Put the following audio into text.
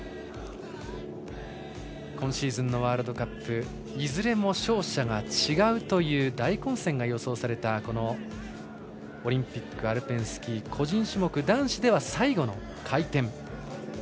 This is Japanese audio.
今シーズンのワールドカップいずれも勝者が違うという大混戦が予想されたこのオリンピックアルペンスキー個人種目男子では最後の回転。